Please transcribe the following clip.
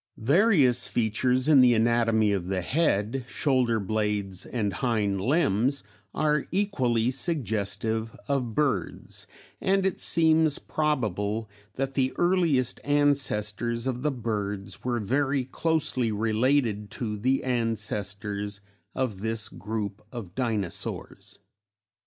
Various features in the anatomy of the head, shoulder blades and hind limbs are equally suggestive of birds, and it seems probable that the earliest ancestors of the birds were very closely related to the ancestors of this group of Dinosaurs.